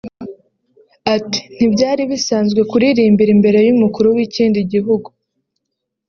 Ati “Ntibyari bisanzwe kuririmbira imbere y’Umukuru w’ikindi gihugu